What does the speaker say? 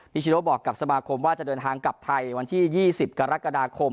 ชโนบอกกับสมาคมว่าจะเดินทางกลับไทยวันที่๒๐กรกฎาคม